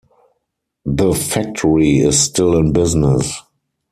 The factory is still in business.